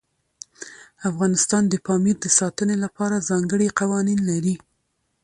افغانستان د پامیر د ساتنې لپاره ځانګړي قوانین لري.